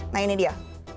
nah ini dia